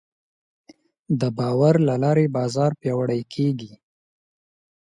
د باور له لارې بازار پیاوړی کېږي.